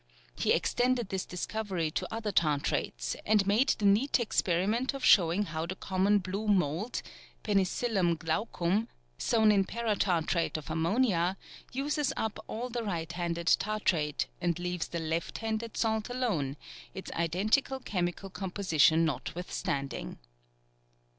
He extended this discovery to other tartrates, and made the neat experiment of showing how the common blue mould (Penicillium glaucum), sown in paratartrate of ammonia, uses up all the right handed tartrate and leaves the left handed salt alone, its identical chemical composition notwithstanding.